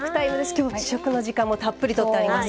今日は試食の時間もたっぷりとってあります。